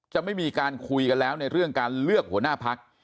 จะไม่มีการคุยกันแล้วในเรื่องการเลือกหัวหน้าพัก